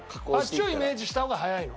あっちをイメージした方が早いの？